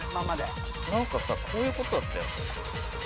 何かさこういうことだったよね。